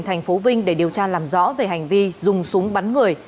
thành phố vinh để điều tra làm rõ về hành vi dùng súng bắn người